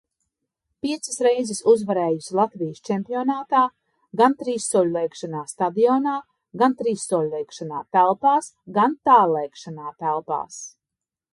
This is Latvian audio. Piecas reizes uzvarējusi Latvijas čempionātā gan trīssoļlēkšanā stadionā, gan trīssoļlēkšanā telpās, gan tāllēkšanā telpās.